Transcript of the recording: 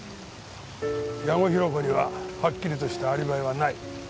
矢後弘子にははっきりとしたアリバイはない。